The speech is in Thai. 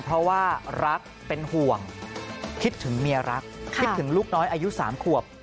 เพราะว่ารักเป็นห่วงคิดถึงเมียรักคิดถึงลูกน้อยอายุ๓ขวบ